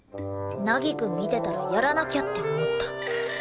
凪くん見てたらやらなきゃって思った。